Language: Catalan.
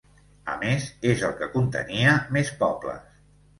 A més, és el que contenia més pobles.